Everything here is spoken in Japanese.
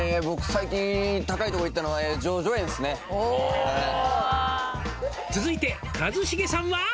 最近高いとこ行ったのはおお「続いて一茂さんは？」